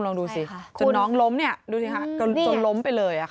ลองดูสิจนน้องล้มเนี่ยล้มไปเลยอะ